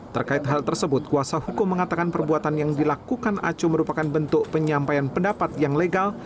terkait hal tersebut kuasa hukum mengatakan perbuatan yang dilakukan aco merupakan bentuk penyampaian pendapat yang legal